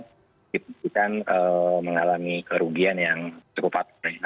ini juga sangat menyediakan mengalami kerugian yang cukup apresiasi